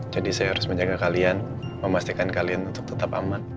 jadi saya harus menjaga kalian memastikan kalian untuk tetap aman